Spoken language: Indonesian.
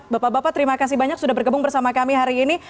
bapak bapak terima kasih banyak sudah bergabung bersama kami hari ini